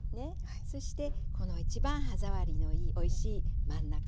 そしてこの一番歯触りのいいおいしい真ん中。